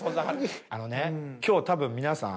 あのね今日たぶん皆さん。